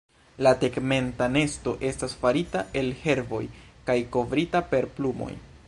La tegmenta nesto estas farita el herboj kaj kovrita per plumoj.